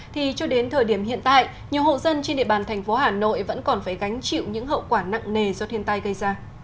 thì cho đến thời điểm hiện tại nhiều hộ dân trên địa bàn thành phố hà nội vẫn còn phải gánh chịu những hậu quả nặng nề do thiên tai gây ra